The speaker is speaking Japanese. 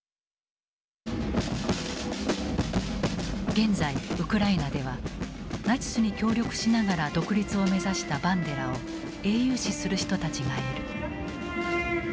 現在ウクライナではナチスに協力しながら独立を目指したバンデラを英雄視する人たちがいる。